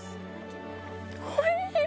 おいしい！